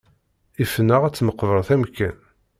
Ifen-aɣ at tmeqbeṛt amkan.